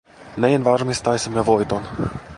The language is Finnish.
Näin varmistaisimme voiton.